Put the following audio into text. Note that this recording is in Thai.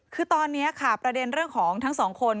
คือตอนนี้ค่ะประเด็นเรื่องของทั้งสองคน